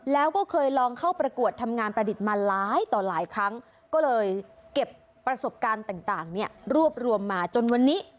แล้วก็เคยลองเข้าประกวดทำงานประดิษฐ์มาหลายต่อหลายครั้งก็เลยเก็บประสบการณ์ต่างเนี่ยรวบรวมมาจนวันนี้